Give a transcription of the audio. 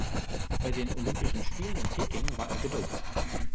Bei den Olympischen Spielen in Peking war er gedopt.